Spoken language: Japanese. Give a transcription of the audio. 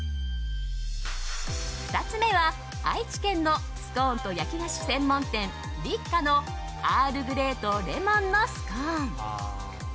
２つ目は愛知県のスコーンと焼き菓子専門店Ｌｙｃｋａのアールグレイとレモンのスコーン。